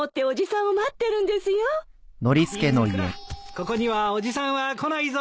ここにはおじさんは来ないぞ。